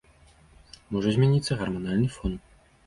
Можа змяніцца гарманальны фон.